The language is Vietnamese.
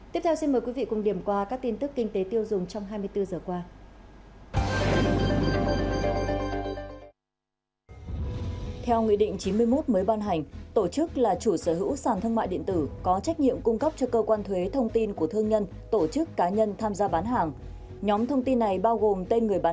tiếp theo xin mời quý vị cùng điểm qua các tin tức kinh tế tiêu dùng trong hai mươi bốn giờ qua